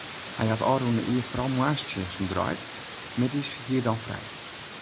Hy hat ôfrûne jier foaral moarnstsjinsten draaid, middeis hie er dan frij.